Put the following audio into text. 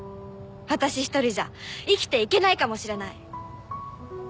私一人じゃ生きていけないかもしれない。